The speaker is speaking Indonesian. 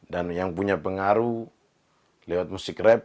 dan yang punya pengaruh lewat musik rap